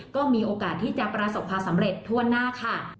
ก็มีโอกาสที่จะประสบความสำเร็จทั่วหน้าค่ะ